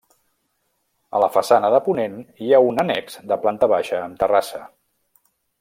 A la façana de ponent hi ha un annex de planta baixa amb terrassa.